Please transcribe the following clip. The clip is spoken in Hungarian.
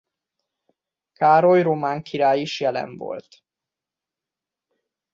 Károly román király is jelen volt.